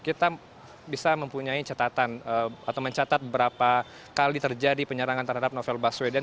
kita bisa mempunyai catatan atau mencatat berapa kali terjadi penyerangan terhadap novel baswedan